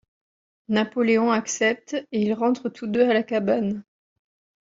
Napoléon accepte et ils rentrent tous deux à la cabane.